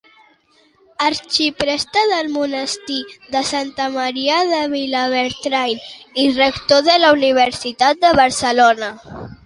Arxipreste del Monestir de Santa Maria de Vilabertran i rector de la Universitat de Barcelona.